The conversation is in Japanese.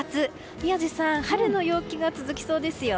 宮司さん、春の陽気が続きそうです。